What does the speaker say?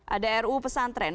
ada ruu pesantren